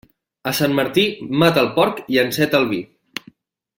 A Sant Martí, mata el porc i enceta el vi.